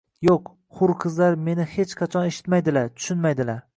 Yoʼq… Hur qizlar meni hech qachon eshitmaydilar, tushunmaydilar…